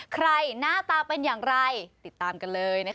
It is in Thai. หน้าตาเป็นอย่างไรติดตามกันเลยนะคะ